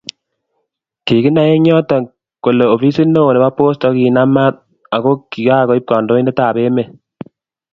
Kiginay eng yoto kole ofisit neo nebo Posta kinam maat ako kigaib kandoindetab emet---